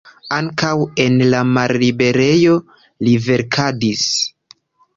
Ankaŭ en la malliberejo li verkadis.